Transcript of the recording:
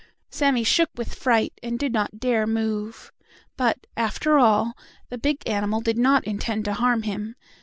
Sammie shook with fright, and did not dare move. But, after all, the big animal did not intend to harm him.